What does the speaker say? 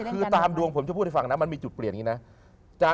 คือตามดวงผมจะพูดให้ฟังนะมันมีจุดเปลี่ยนอย่างนี้นะ